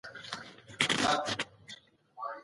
تخلیق د الهام او فکر مجموعه ده.